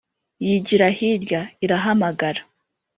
yigira hirya, irahamagara.